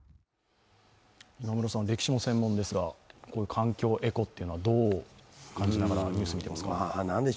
今村さんは歴史の専門ですが、環境、エコというのはどう感じながらニュースを見ていますか？